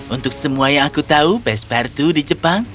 untuk semua yang aku tahu pespartu di jepang